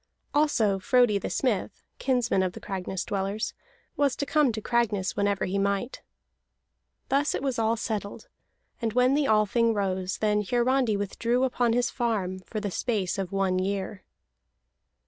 Also Frodi the Smith, kinsman of the Cragness dwellers, was to come to Cragness whenever he might. Thus it was all settled; and when the Althing rose, then Hiarandi withdrew upon his farm for the space of one year.